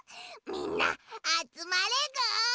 みんなあつまれぐ！